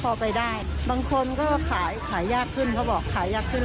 พอไปได้บางคนก็ขายขายยากขึ้นเขาบอกขายยากขึ้น